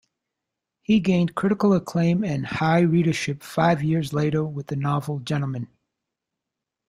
He gained critical acclaim and high readership five years later with the novel, "Gentlemen".